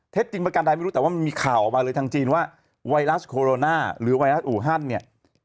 จริงประกันใดไม่รู้แต่ว่ามันมีข่าวออกมาเลยทางจีนว่าไวรัสโคโรนาหรือไวรัสอูฮันเนี่ย